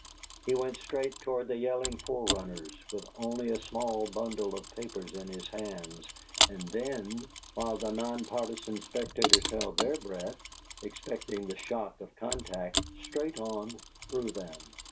He went straight toward the yelling forerunners, with only a small bundle of papers in his hands, and then while the non partisan spectators held their breath, expecting the shock of contact straight on through them.